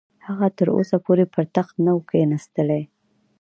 هغه تر اوسه پورې پر تخت نه وو کښېنستلی.